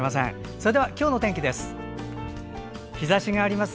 それでは今日の天気です。